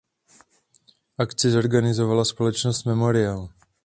Akci zorganizovala společnost Memorial.